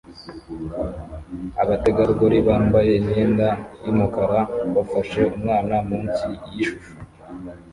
abategarugori bambaye imyenda yumukara bafashe umwana munsi yishusho